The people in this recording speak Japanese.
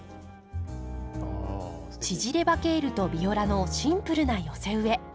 縮れ葉ケールとビオラのシンプルな寄せ植え。